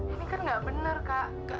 ini kan gak bener kak